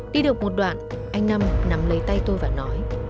đi được một đoạn anh năm nắm lấy tay tôi và nói